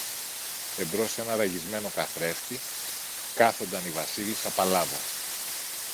Εμπρός σ' ένα ραγισμένο καθρέφτη κάθονταν η Βασίλισσα Παλάβω.